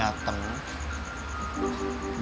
bang rijal lebih ngerti